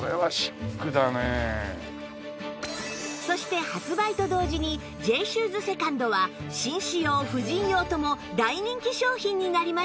そして発売と同時に Ｊ シューズ ２ｎｄ は紳士用婦人用とも大人気商品になりました